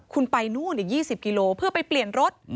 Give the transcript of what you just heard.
คุณไปนู่นอีก๒๐กิโลเพื่อไปเปลี่ยนรถ